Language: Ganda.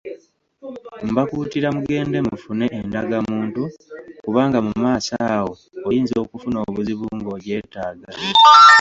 Mbakuutira mugende mufune endagamuntu kubanga mu maaso awo, oyinza okufuna obuzibu ng'ogyetaaga